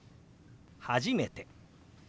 「初めて」。